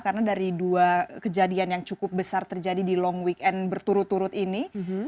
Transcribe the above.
karena dari dua kejadian yang cukup besar terjadi di long weekend berturut turut ini